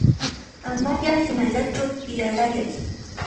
Amaya hinallachu tiyarayay